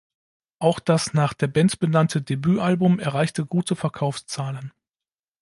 Auch das nach der Band benannte Debütalbum erreichte gute Verkaufszahlen.